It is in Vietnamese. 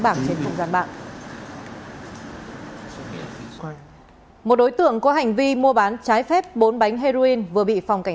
bảng trên không gian mạng một đối tượng có hành vi mua bán trái phép bốn bánh heroin vừa bị phòng cảnh